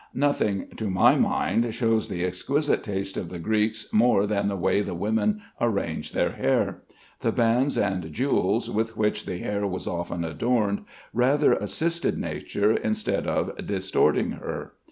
Nothing, to my mind, shows the exquisite taste of the Greeks more than the way the women arranged their hair. The bands and jewels with which the hair was often adorned, rather assisted nature instead of distorting her.